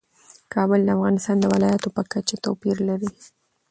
کابل د افغانستان د ولایاتو په کچه توپیر لري.